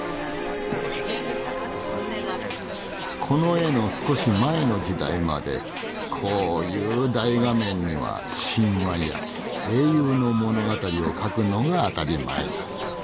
この絵の少し前の時代までこういう大画面には神話や英雄の物語を描くのが当たり前だった。